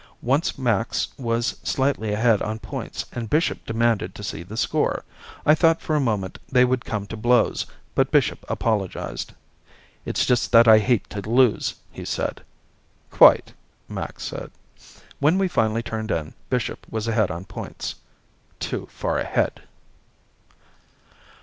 Once Max was slightly ahead on points and Bishop demanded to see the score. I thought for a moment they would come to blows, but Bishop apologized. "It's just that I hate to lose," he said. "Quite," Max said. When we finally turned in, Bishop was ahead on points. Too far ahead.